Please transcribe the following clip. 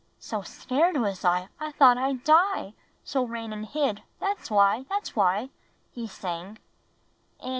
"So scared was I, I thought I'd die; So ran and hid — That's why! That's why!" he sang.